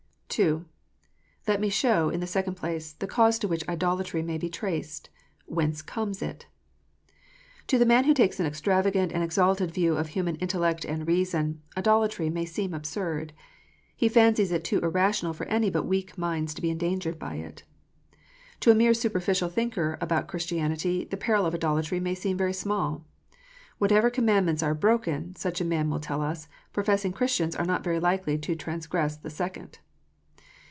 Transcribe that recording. II. Let me show, in the second place, the cause to which idolatry may be traced. WHENCE COMES IT 1 To the man Avho takes an extravagant and exalted view of human intellect and reason, idolatry may seem absurd. He fancies it too irrational for any but weak minds to be endangered by it. To a mere superficial thinker about Christianity, the peril of idolatry may seem very small. Whatever commandments are broken, such a man will tell us, professing Christians are not very likely to transgress the second.